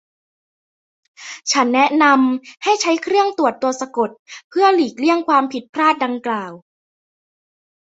ฉันแนะนำให้ใช้เครื่องตรวจตัวสะกดเพื่อหลีกเลี่ยงความผิดพลาดดังกล่าว